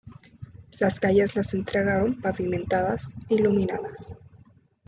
Las calles las entregaron pavimentadas, iluminadas.